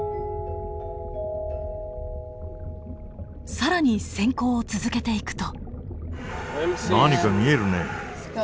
更に潜航を続けていくと。